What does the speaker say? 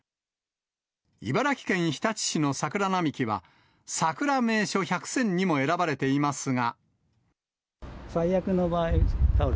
茨城県日立市の桜並木はさくら名所１００選にも選ばれていますが。